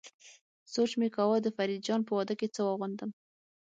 سوچ مې کاوه د فريد جان په واده کې څه واغوندم.